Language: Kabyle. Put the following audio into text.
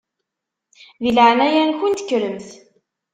Di leɛnaya-nkent kkremt.